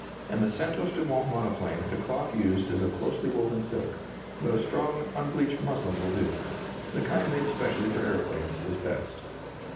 In the Santos Dumont monoplane the cloth used is of closely woven silk, but a strong, unbleached muslin will do the kind made especially for aeroplanes is best.